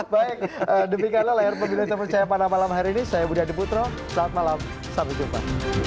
baik demikianlah layar pemilu terpercaya pada malam hari ini saya budi adiputro selamat malam sampai jumpa